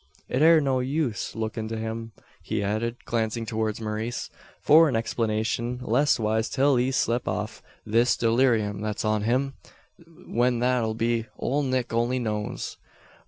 "It air no use lookin' to him," he added, glancing towards Maurice, "for an explanation; leastwise till he's slep' off this dullerium thet's on him. When that'll be, ole Nick only knows.